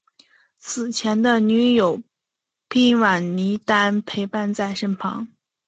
死前的女朋友苑琼丹陪伴在旁。